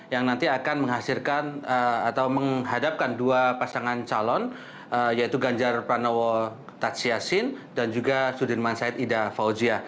yang nanti akan menghasilkan atau menghadapkan dua pasangan calon yaitu ganjar pranowo tadsyasin dan juga sudirman said ida fauzia